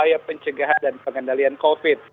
keterkaitan penyelenggaraan dan pengendalian covid